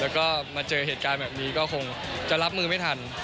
แล้วก็มาเจอเหตุการณ์แบบนี้ก็คงจะรับมือไม่ทัน